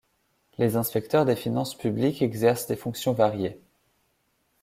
Les inspecteurs des finances publiques exercent des fonctions variées.